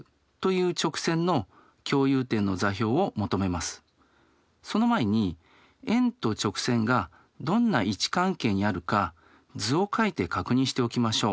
まずその前に円と直線がどんな位置関係にあるか図を描いて確認しておきましょう。